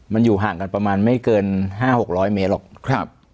มันอยู่ห่างกันประมาณไม่เกิน๕๖๐๐เมตรหรอกครับ